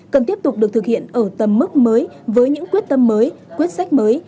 cần tiếp tục được thực hiện ở tầm mức mới với những quyết tâm mới quyết sách mới